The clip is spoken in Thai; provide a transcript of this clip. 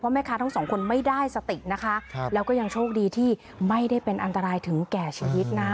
แม่ค้าทั้งสองคนไม่ได้สตินะคะแล้วก็ยังโชคดีที่ไม่ได้เป็นอันตรายถึงแก่ชีวิตนะ